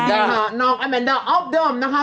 ใช่ค่ะนอกอัลแมนด้าออฟเดิมนะคะ